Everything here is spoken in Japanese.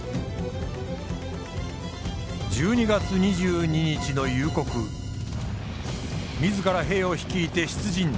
１２月２２日の夕刻自ら兵を率いて出陣。